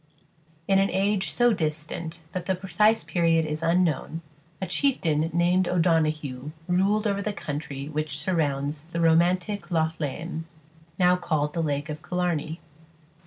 In an age so distant that the precise period is unknown, a chieftain named O'Donoghue ruled over the country which surrounds the romantic Lough Lean, now called the lake of Killarney.